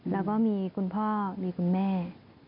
แล้วก็มีคุณพ่อมีคุณแม่